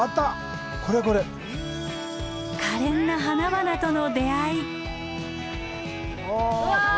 可憐な花々との出会い。